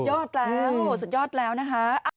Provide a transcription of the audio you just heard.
ยอดแล้วสุดยอดแล้วนะคะ